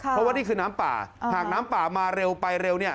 เพราะว่านี่คือน้ำป่าหากน้ำป่ามาเร็วไปเร็วเนี่ย